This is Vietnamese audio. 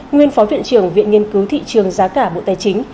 nguyên phó viện trưởng viện nghiên cứu thị trường giá cả bộ tài chính